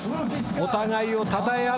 お互いをたたえ合う。